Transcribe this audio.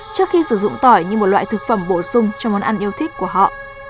trước khi sử dụng tỏi như một loại thực phẩm bổ sung cho món ăn yêu thích của họ